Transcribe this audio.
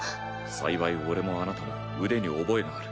幸い俺もあなたも腕に覚えがある。